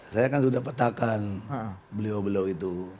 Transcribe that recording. saya kan sudah petakan beliau beliau itu